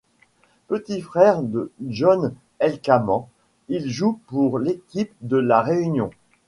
Petit frère de John Elcaman, il joue pour l'équipe de La Réunion.